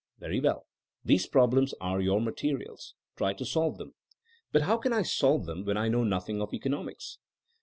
Very well. These problems are your materials. Try to solve them. But how can I solve them when I know noth ing of economics